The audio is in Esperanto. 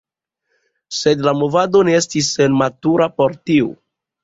Sed la movado ne estis matura por tio.